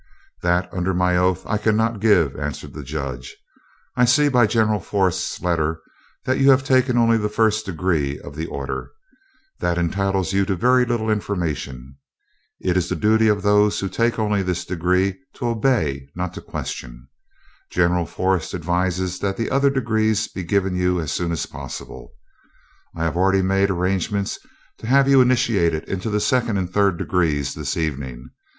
"That, under my oath, I cannot give," answered the Judge. "I see by General Forrest's letter that you have taken only the first degree of the order. That entitles you to very little information. It is the duty of those who take only this degree to obey, not to question. General Forrest advises that the other degrees be given you as soon as possible. I have already made arrangements to have you initiated into the second and third degrees this evening.